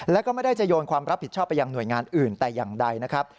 แล้วก็ไม่ได้จะโยนความรับผิดชอบไปยังหน่วยงานอื่นแต่อย่างใดนะครับ